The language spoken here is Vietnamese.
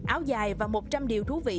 áo dài và một trăm linh điều thú vị